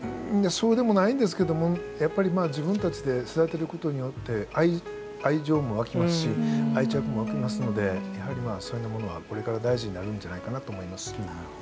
そうでもないんですけどもやっぱりまあ自分たちで育てることによって愛情もわきますし愛着もわきますのでやはりそういうようなものはこれから大事になるんじゃないかなと思います。